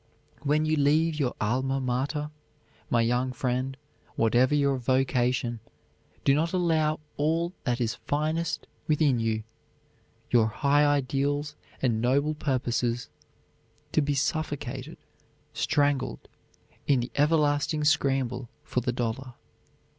When you leave your alma mater, my young friend, whatever your vocation, do not allow all that is finest within you, your high ideals and noble purposes to be suffocated, strangled, in the everlasting scramble for the dollar.